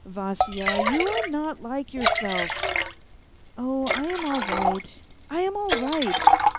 " Vasya, you are not like yourself." " Oh, I am all right, I am all right.